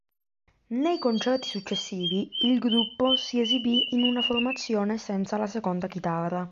Nei concerti successivi il gruppo si esibì in una formazione senza la seconda chitarra.